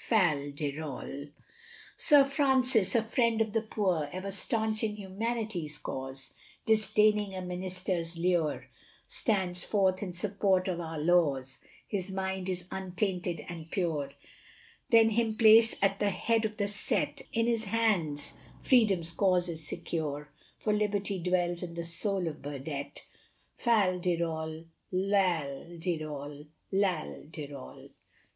Fal de ral. Sir Francis, the Friend of the Poor, Ever staunch in Humanity's cause, Disdaining a minister's lure, Stands forth in support of our laws, His Mind is untainted and pure, Then him place at the head of the set, In his hands Freedom's Cause is secure, For Liberty dwells in the soul of Burdett. Fal de ral lal de ral lal de ral.